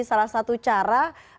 salah satu cara